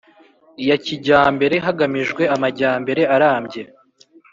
ya kijyambere hagamijwe amajyambere arambye